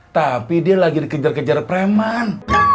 tapi dia lagi dikejar kejar preman